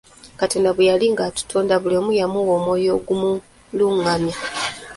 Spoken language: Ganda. Katonda bwe yali ng'atutonda buli muntu yamuwa omwoyo ogumulungamya.